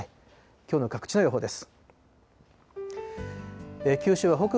きょうの各地の予報です。